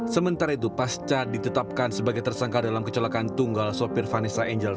sementara itu pasca ditetapkan sebagai tersangka dalam kecelakaan tunggal sopir vanessa angel